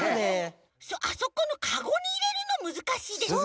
あそこのカゴにいれるのむずかしいですね。